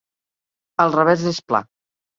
El revers és pla.